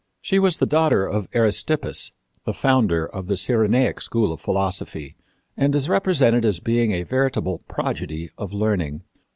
She was the daughter of Aristippus, the founder of the Cyrenaic school of philosophy, and is represented as being a veritable prodigy of learning.